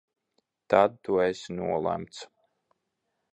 Tad tu esi nolemts!